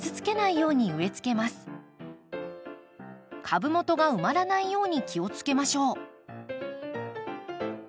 株元が埋まらないように気をつけましょう。